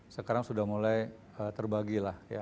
sekarang sudah mulai terbagi